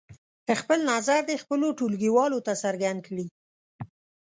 خپل نظر دې خپلو ټولګیوالو ته څرګند کړي.